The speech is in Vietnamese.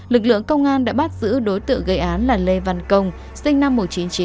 lực lượng công an đã bắt giữ đối tượng gây án là lê văn công sinh năm một nghìn chín trăm chín mươi